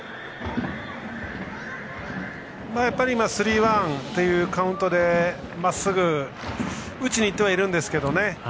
やっぱりスリーワンというカウントでまっすぐを打ちにいってるんですけどね。